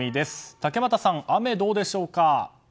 竹俣さん、雨はどうでしょうか？